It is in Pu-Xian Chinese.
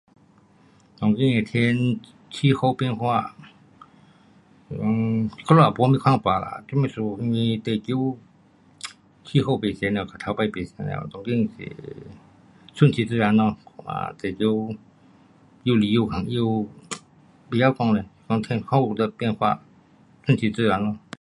当今的天，气候变化，是讲我们也没什么看法啦，什么事？因为地球 um 气候不同了，跟头次不同了，当今是顺其自然咯。假如越来越困，越甭晓讲了，这可恶的变化，顺其自然咯。